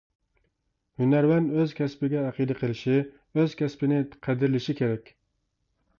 ھۈنەرۋەن ئۆز كەسپىگە ئەقىدە قىلىشى، ئۆز كەسپىنى قەدىرلىشى كېرەك.